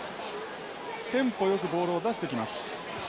テンポ良くボールを出してきます。